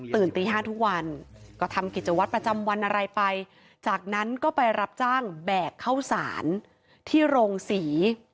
ตี๕ทุกวันก็ทำกิจวัตรประจำวันอะไรไปจากนั้นก็ไปรับจ้างแบกเข้าสารที่โรงศรี